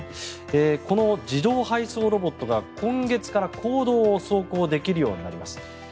この自動配送ロボットが今月から公道を走行できるようになります。